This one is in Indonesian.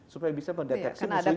supaya bisa mendeteksi musuhnya